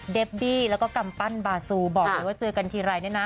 เบบี้แล้วก็กำปั้นบาซูบอกเลยว่าเจอกันทีไรเนี่ยนะ